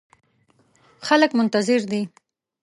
خلګ منتظر دي